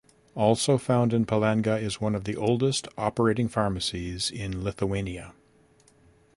Also found in Palanga is one of the oldest operating pharmacies in Lithuania.